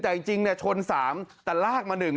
แต่จริงเนี่ยชนสามแต่ลากมาหนึ่ง